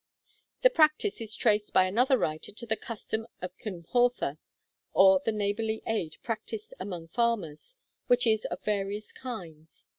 The practice is traced by another writer to 'the custom of Cymhortha, or the neighbourly aid practised among farmers, which is of various kinds.